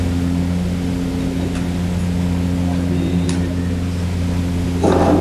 He also supervised the operation of the grain elevators.